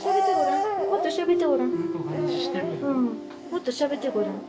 もっとしゃべってごらん。